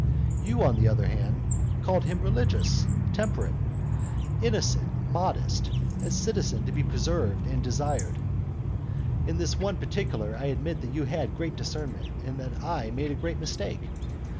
You, on the other hand, called him religious, temperate, innocent, modest; a citizen to be preserved and desired. In this one particular I admit that you had great discernment, and that I made a great mistake.